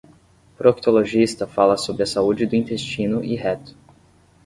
Proctologista fala sobre a saúde do intestino e reto